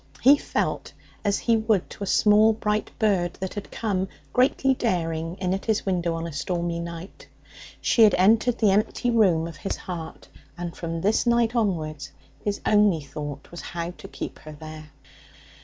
He felt as he would to a small bright bird that had come, greatly daring, in at his window on a stormy night. She had entered the empty room of his heart, and from this night onwards his only thought was how to keep her there.